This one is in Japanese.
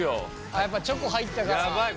やっぱチョコ入ったから。